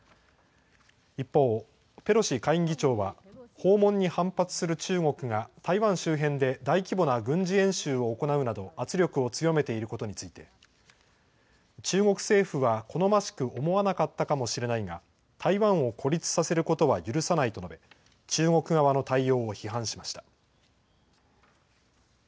一方、ペロシ下院議長は訪問に反発する中国が台湾周辺で大規模な軍事演習を行うなど圧力を強めていることについて中国政府は好ましく思わなかったかもしれないが台湾を孤立させることは許さないと述べ中国側の対応を批判しました。